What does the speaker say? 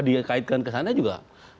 dikaitkan ke sana juga